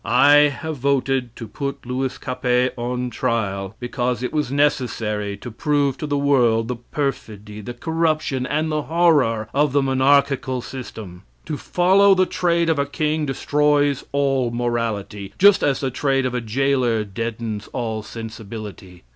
I have voted to put Louis Capet upon trial, because it was necessary to prove to the world the perfidy, the corruption, and the horror of the monarchical system. To follow the trade of a king destroys all morality, just as the trade of a jailer deadens all sensibility.